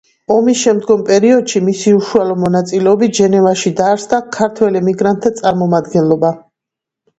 ომის შემდგომ პერიოდში მისი უშუალო მონაწილეობით ჟენევაში დაარსდა „ქართველ ემიგრანტთა წარმომადგენლობა“.